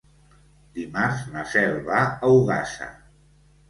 Dimarts na Cel va a Ogassa.